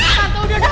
tante udah udah